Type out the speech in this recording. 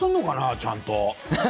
ちゃんと。